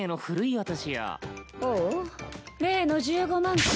ほ例の１５万か。